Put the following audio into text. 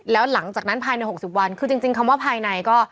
แล้วหลังจากนั้นภายใน๖๐วันคือจริงคำว่าภายในก็